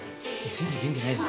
先生元気ないぞ。